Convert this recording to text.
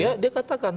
ya dia katakan